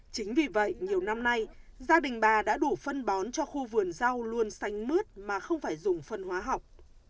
chính vì vậy nhiều năm nay gia đình bà đã đủ phân bón cho khu vườn rau luôn xanh mướt mà không phải dùng phân hóa học